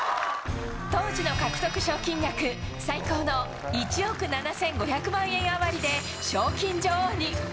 当時の獲得賞金額、最高の１億７５００万円余りで賞金女王に。